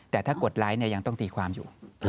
แต่ถ้ากดไลค์ยังต้องตีความอยู่